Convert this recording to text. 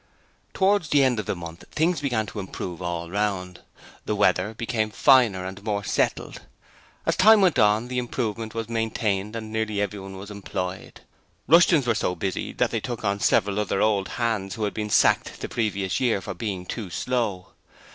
Towards the end of the month things began to improve all round. The weather became finer and more settled. As time went on the improvement was maintained and nearly everyone was employed. Rushton's were so busy that they took on several other old hands who had been sacked the previous year for being too slow.